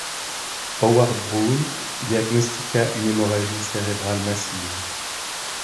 Howard Bruenn, diagnostiqua une hémorragie cérébrale massive.